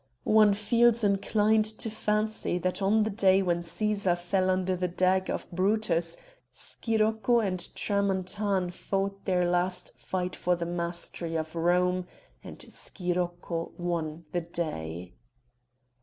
One feels inclined to fancy that on the day when Caesar fell under the dagger of Brutus Scirocco and Tramontane fought their last fight for the mastery of Rome and Scirocco won the day.